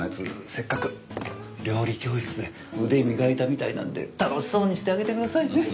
せっかく料理教室で腕磨いたみたいなんで楽しそうにしてあげてくださいね。